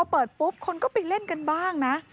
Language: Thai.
พอเปิดปุ๊บคนก็ไปเล่นกันบ้างนะ